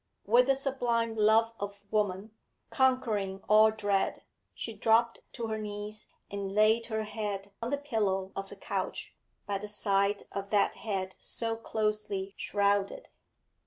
With the sublime love of woman, conquering all dread, she dropped to her knees and laid her head on the pillow of the couch by the side of that head so closely shrouded.